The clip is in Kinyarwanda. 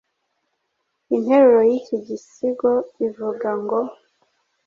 Interuro y’iki gisigo ivuga ngo «